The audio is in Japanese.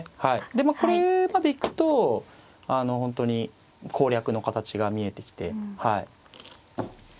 でまあこれまで行くとあの本当に攻略の形が見えてきて。